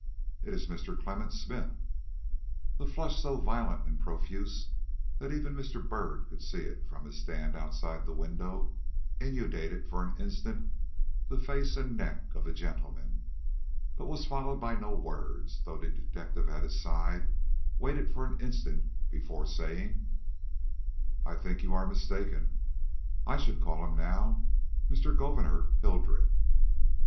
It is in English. "It is Mr. Clement Smith." A flush so violent and profuse, that even Mr. Byrd could see it from his stand outside the window, inundated for an instant the face and neck of the gentleman, but was followed by no words, though the detective at his side waited for an instant before saying: "I think you are mistaken; I should call him now Mr. Gouverneur Hildreth!"